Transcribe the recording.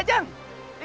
kejahatan yang baik